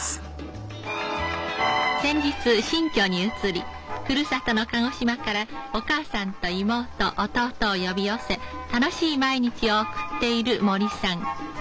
先日新居に移りふるさとの鹿児島からお母さんと妹弟を呼び寄せ楽しい毎日を送っている森さん。